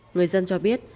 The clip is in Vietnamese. người dân cho biết